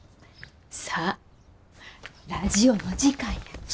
さあラジオの時間や。